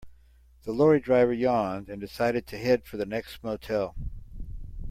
The lorry driver yawned and decided to head for the next motel.